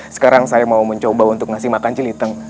sekarang saya mau mencoba untuk ngasih makan celiteng